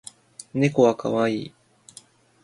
猫は可愛い